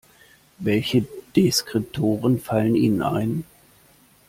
Welche Deskriptoren fallen Ihnen ein?